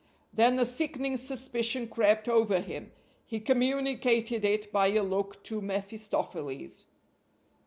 Then a sickening suspicion crept over him; he communicated it by a look to mephistopheles.